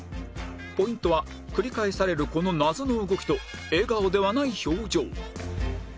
ポイントは繰り返されるこの謎の動きと笑顔ではない表情